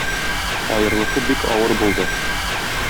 Аерылышу бик авыр булды.